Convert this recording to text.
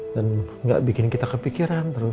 dan gak bikin kita kepikiran terus